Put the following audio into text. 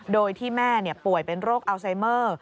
โดยที่แม่ป่วยเป็นโรคอัลไซเมอร์